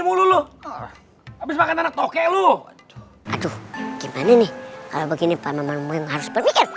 dulu lu habis makan anak tokek lu aduh gimana nih kalau begini pak manmangmu yang harus berpikir